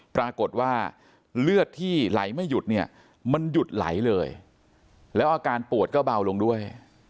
ปรากฏว่าเลือดที่ไหลไม่หยุดเนี่ยมันหยุดไหลเลยแล้วอาการปวดก็เบาลงด้วย